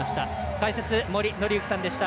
解説、森紀之さんでした。